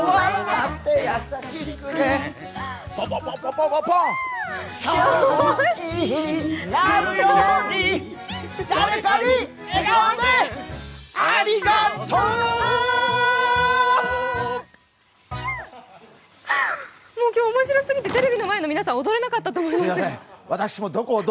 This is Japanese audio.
もう今日おもしろすぎてテレビの前の皆さん踊れなかったと思います。